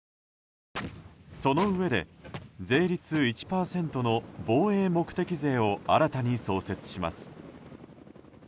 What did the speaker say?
そのうえで税率１％の防衛目的税を新たに創設します。